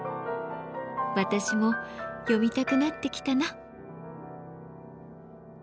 私も読みたくなってきたな！